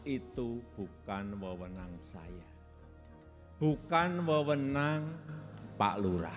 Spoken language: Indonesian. itu bukan wawenang saya bukan wawenang pak lurah